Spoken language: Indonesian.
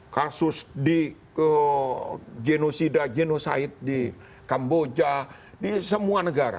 khusus di genosida genoside di kamboja ini semua negara